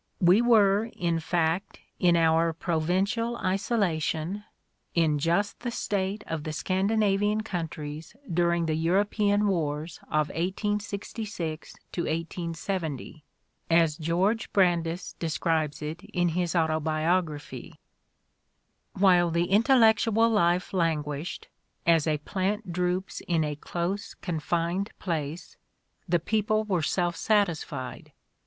j| We were, in fact, in our provincial isolation, in just the state of the Scandinavian countries during the European wars of 1866 1870, as George Brandes describes it in his auto biography: "While the intellectual life languished, as a plant droops in a close, confined place, the people were self satisfied.